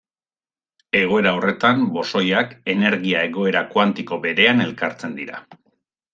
Egoera horretan, bosoiak, energia-egoera kuantiko berean elkartzen dira.